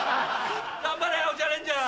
頑張れお茶レンジャー！